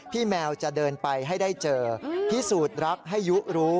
พี่แมวจะเดินไปให้ได้เจอพี่สูตรรักให้ยูรู้